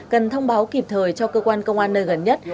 cần thông báo kịp thời cho cơ quan công an nơi gần nhất